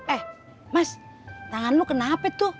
eh mas tangan lo kenapa tuh